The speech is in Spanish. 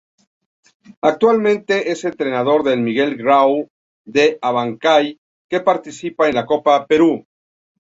Actualmente es entrenador del Miguel Grau de Abancay que participa en la Copa Perú.